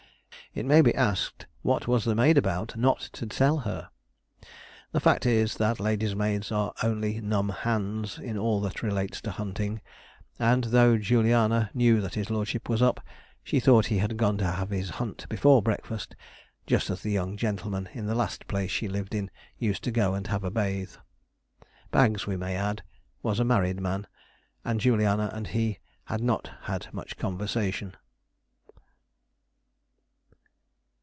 It may be asked, what was the maid about not to tell her. The fact is, that ladies' maids are only numb hands in all that relates to hunting, and though Juliana knew that his lordship was up, she thought he had gone to have his hunt before breakfast, just as the young gentlemen in the last place she lived in used to go and have a bathe. Baggs, we may add, was a married man, and Juliana and he had not had much conversation.